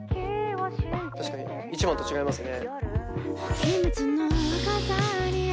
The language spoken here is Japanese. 確かに１番と違いますね。